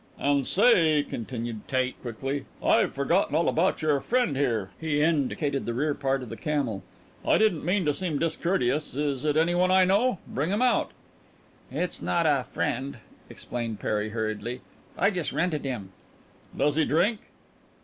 "And, say," continued Tate quickly, "I'd forgotten all about your friend here." He indicated the rear part of the camel. "I didn't mean to seem discourteous. Is it any one I know? Bring him out." "It's not a friend," explained Perry hurriedly. "I just rented him." "Does he drink?"